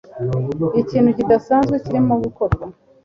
Ikintu kidasanzwe kirimo gukorwa